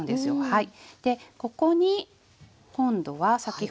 はい。